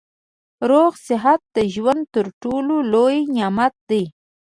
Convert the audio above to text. روغ صحت د ژوند تر ټولو لوی نعمت دی